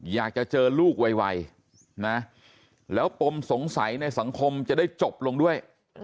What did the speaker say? อยากจะเจอลูกไวนะแล้วปมสงสัยในสังคมจะได้จบลงด้วย